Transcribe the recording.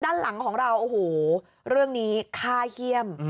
ด้านหลังของเราโอ้โหเรื่องนี้ค่าเยี่ยม